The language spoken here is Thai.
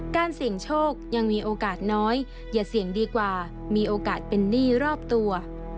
เสี่ยงโชคยังมีโอกาสน้อยอย่าเสี่ยงดีกว่ามีโอกาสเป็นหนี้รอบตัว